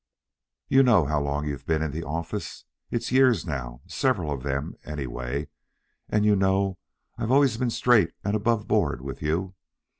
You know how long you've been in the office it's years, now, several of them, anyway; and you know I've always been straight and aboveboard with you.